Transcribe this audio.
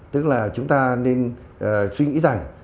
tức là chúng ta nên suy nghĩ rằng